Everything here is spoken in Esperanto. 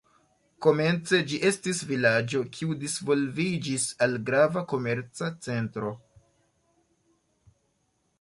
Komence ĝi estis vilaĝo, kiu disvolviĝis al grava komerca centro.